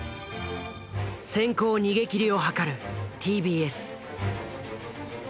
先行逃げ切りを図るＴＢＳ。